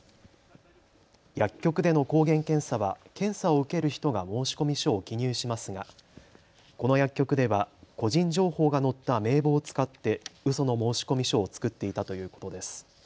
薬局での抗原検査は検査を受ける人が申込書を記入しますがこの薬局では個人情報が載った名簿を使ってうその申込書を作っていたということです。